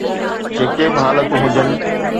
جيڪي به حالتون هجن.